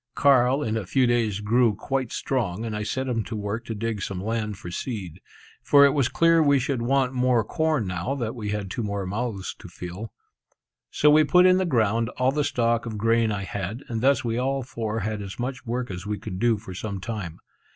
Carl in a few days grew quite strong, and I set him to work to dig some land for seed; for it was clear we should want more corn now that we had two more mouths to fill. So we put in the ground all the stock of grain I had, and thus we all four had as much work as we could do for some time.